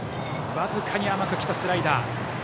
僅かに甘く来たスライダー。